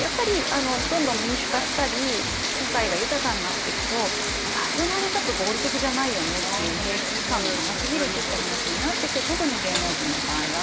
どんどん民主化したり社会が豊かになるとさすがに合理的じゃないよねという兵役期間も長すぎるという話になって特に芸能人の場合は。